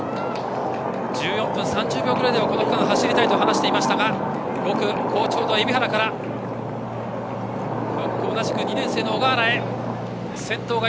１４分３０秒ぐらいでこの区間、走りたいと話していましたが５区、好調の海老原から６区、同じく２年生の小河原へ。